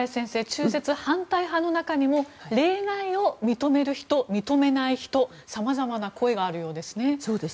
中絶反対派の中にも例外を認める人、認めない人などさまざまな声があるようですね。